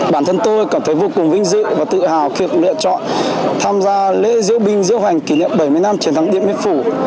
bản thân tôi cảm thấy vô cùng vinh dự và tự hào khi được lựa chọn tham gia lễ diễu binh diễu hoành kỷ niệm bảy mươi năm chiến thắng điện biên phủ